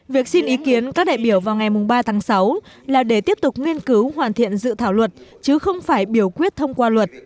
việc xin ý kiến các đại biểu vào ngày ba tháng sáu là để tiếp tục nghiên cứu hoàn thiện dự thảo luật chứ không phải biểu quyết thông qua luật